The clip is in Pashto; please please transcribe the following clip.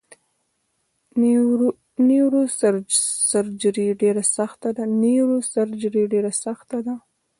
نیوروسرجري ډیره سخته ده!